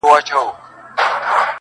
قافیلې د ستورو وتړه سالاره,